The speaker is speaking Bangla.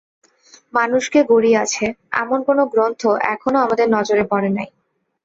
মানুষকে গড়িয়াছে, এমন কোন গ্রন্থ এখনও আমাদের নজরে পড়ে নাই।